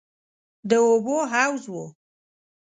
د اوبو حوض و.